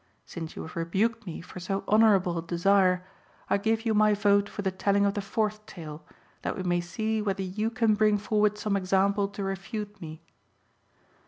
Since you have rebuked me for so honourable a desire, I give you my vote for the telling of the fourth tale, that we may see whether you can bring forward some example to refute me."